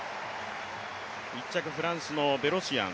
１着、フランスのベロシアン